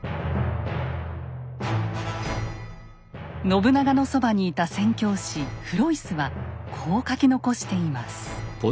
信長のそばにいた宣教師フロイスはこう書き残しています。